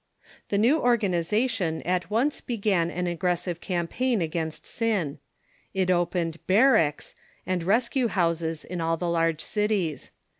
The new organization at once began an aggressive campaign against sin. It opened "barracks" and rescue houses in all the large cities.